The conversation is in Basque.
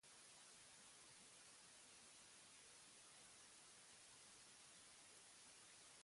Jarraian, lau tiro eman zizkion ustezko mafiosoari eta ihes egin zuen.